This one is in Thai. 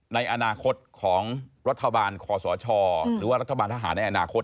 ในอนาคตของรัฐบาลคอสชหรือว่ารัฐบาลทหารในอนาคต